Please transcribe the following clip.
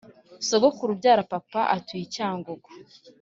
Sogokuru ubyara papa atuye icya ngugu